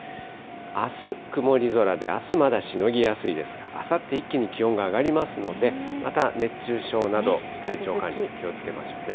あす曇り空で、あすまだしのぎやすいですが、あさって、一気に気温が上がりますので、また熱中症など、体調管理、気をつけましょうね。